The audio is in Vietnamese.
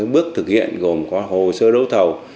bước thực hiện gồm có hồ sơ đấu thầu